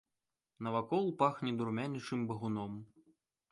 Навакол пахне дурманячым багуном.